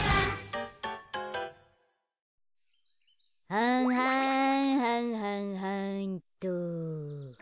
はんはんはんはんはんっと。